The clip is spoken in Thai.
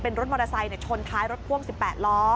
รถมอเตอร์ไซค์ชนท้ายรถพ่วง๑๘ล้อ